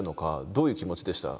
どういう気持ちでした？